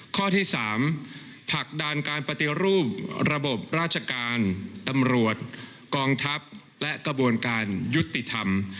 ข้อที่๓ผลักดันการปฏิรูประบบราชการตำรวจกองทัพและกระบวนการยุติธรรม